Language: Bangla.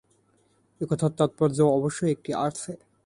এ-কথার তাৎপর্য অবশ্যই একটি আছে।